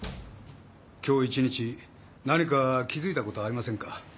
今日一日何か気づいたことありませんか？